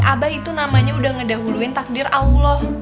abah itu namanya udah ngedahuluin takdir allah